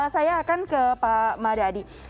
saya akan ke pak madadi